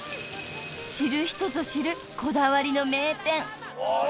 ［知る人ぞ知るこだわりの名店］